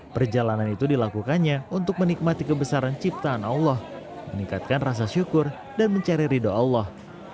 perjalanan itu dilakukannya untuk menikmati kebesaran ciptaan allah meningkatkan rasa syukur dan mencari ridho allah